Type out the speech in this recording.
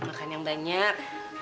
makan yang banyak